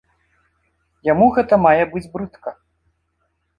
Яму гэта мае быць брыдка.